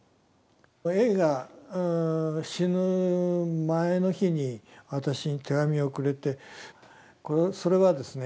Ａが死ぬ前の日に私に手紙をくれてそれはですね